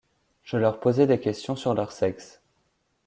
je leur posais des questions sur leur sexe.